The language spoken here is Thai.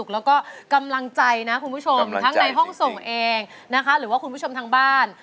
เพราะว่าเขามีเมีย